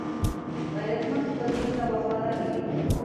غیرتمند خپل دین ته وفادار وي